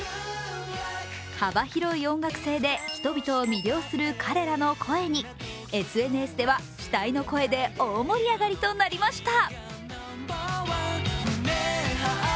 幅広い音楽性で人々を魅了する彼らの声にＳＮＳでは期待の声で大盛り上がりとなりました。